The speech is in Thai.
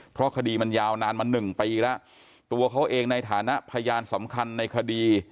เพราะคดีมันยาวนานมาหนึ่งปีแล้วตัวเขาเองในฐานะพยานสำคัญในคดี